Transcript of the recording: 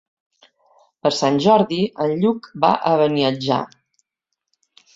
Per Sant Jordi en Lluc va a Beniatjar.